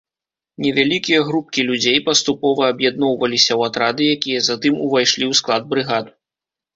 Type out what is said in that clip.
Невялікія групкі людзей паступова аб'ядноўваліся ў атрады, якія затым увайшлі ў склад брыгад.